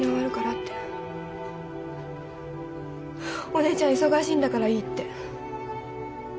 「お姉ちゃん忙しいんだからいい」って。